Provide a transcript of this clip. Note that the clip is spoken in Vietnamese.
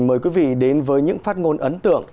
mời quý vị đến với những phát ngôn ấn tượng